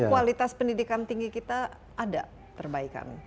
jadi apa yang tinggi kita ada terbaikkan